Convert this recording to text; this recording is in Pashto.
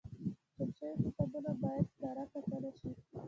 چاپ شوي کتابونه باید کره کتنه شي.